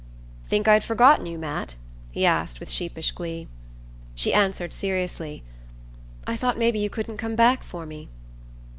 "Think I'd forgotten you, Matt?" he asked with sheepish glee. She answered seriously: "I thought maybe you couldn't come back for me."